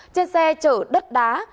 trên xe chở đất đá